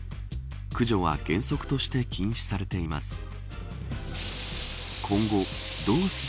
駆除は原則として禁止されています。